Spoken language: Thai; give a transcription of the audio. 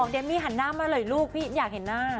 เมมี่หันหน้ามาเลยลูกพี่อยากเห็นหน้า